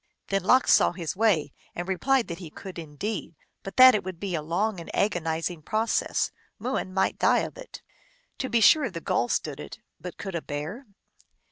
Then Lox saw his way, and replied that he could indeed, but that it would be a long and agonizing process ; Mooin might die of it. To be sure the Gull stood it, but could a Bear?